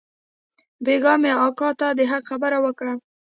بيگاه مې اکا ته د حق خبره وکړه.